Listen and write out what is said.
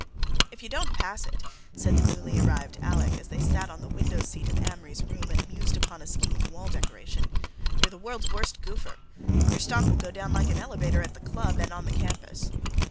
"If you don't pass it," said the newly arrived Alec as they sat on the window seat of Amory's room and mused upon a scheme of wall decoration, "you're the world's worst goopher. Your stock will go down like an elevator at the club and on the campus."